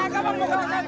kaga mau makan